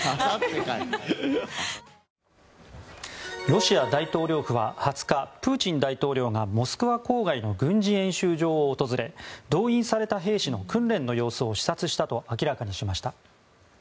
ロシア大統領府は２０日プーチン大統領がモスクワ郊外の軍事演習場を訪れ動員された兵士の訓練の様子を視察したと明らかにしました。